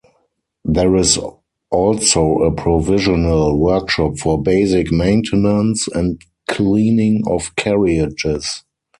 There is also a provisional workshop for basic maintenance and cleaning of carriages.